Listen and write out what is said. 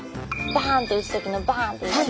バンって撃つ時のバンっていう中心。